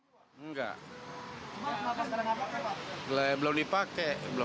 masker juga sih